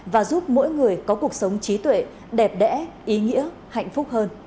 và giúp mỗi người có cuộc sống trí tuệ đẹp đẽ ý nghĩa hạnh phúc hơn